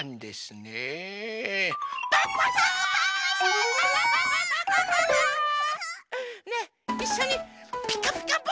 ねえいっしょに「ピカピカブ！」